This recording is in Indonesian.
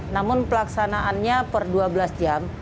namun pelaksanaannya per dua belas jam